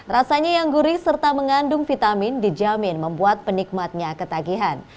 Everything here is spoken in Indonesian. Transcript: rasanya yang gurih serta mengandung vitamin dijamin membuat penikmatnya ketagihan